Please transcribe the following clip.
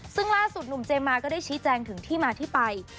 ซึ่งล่าสุดหนุ่มเจมมาก็ได้ชี้แจงถึงที่มาที่ไป